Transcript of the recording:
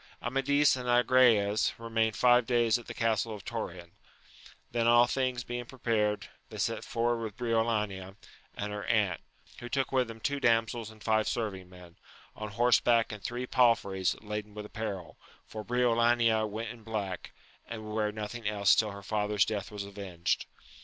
Amadis and Agrayes remained five days at the castle of Torin ; then all things being prepared, they set for ward with Briolania and her aunt, who took with them two damsels and five serving men, on horseback and three palfreys laden with apparel, for Briolania went in black, and would wear nothing else till her father's death was avenged.